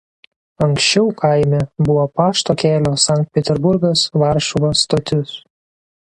Anksčiau kaime buvo pašto kelio Sankt Peterburgas–Varšuva stotis.